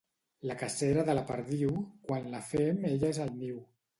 La cacera de la perdiu, quan la fem ella és al niu.